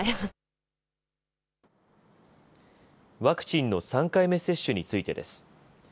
ワクチンの３回目接種についてです。